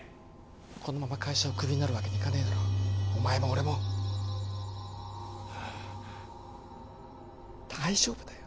このまま会社をクビになるわけにいかねえだろお前も俺も大丈夫だよ